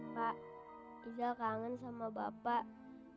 pak izal kangen sama bapak